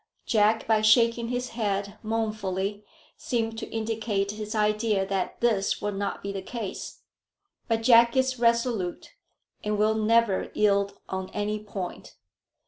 Jack, by shaking his head mournfully, seemed to indicate his idea that this would not be the case; but Jack is resolute, and will never yield on any point.